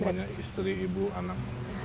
namanya istri ibu anak